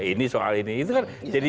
ini soal ini itu kan jadi